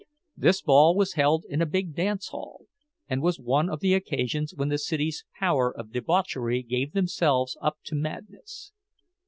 This ball was held in a big dance hall, and was one of the occasions when the city's powers of debauchery gave themselves up to madness.